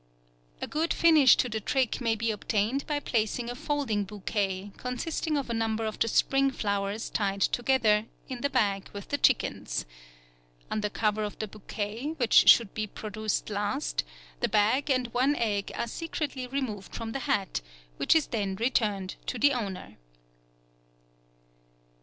A good finish to the trick may be obtained by placing a folding bouquet, consisting of a number of the spring flowers tied together, in the bag with the chickens. Under cover of the bouquet, which should be produced last, the bag and one egg are secretly removed from the hat, which is then returned to the owner.